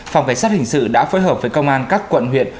phòng cảnh sát hình sự đã phối hợp với công an các quận huyện